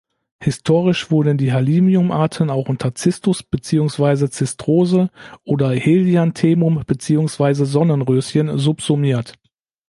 Historisch wurden die Halimiumarten auch unter "Cistus" beziehungsweise Zistrose oder "Helianthemum" beziehungsweise Sonnenröschen subsumiert.